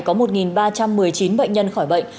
có một ba trăm một mươi chín bệnh nhân khỏi bệnh